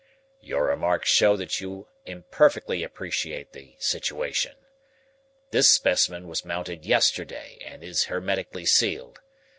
"your remarks show that you imperfectly appreciate the situation. This specimen was mounted yesterday and is hermetically sealed.